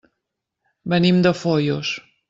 Venim de Foios.